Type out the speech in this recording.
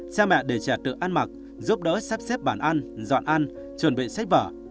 cha mẹ để trẻ tự ăn mặc giúp đỡ sắp xếp bản ăn dọn ăn chuẩn bị sách vở